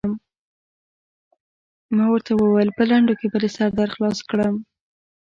ما ورته وویل: په لنډو کې به دې سر در خلاص کړم.